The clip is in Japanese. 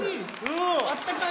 あったかい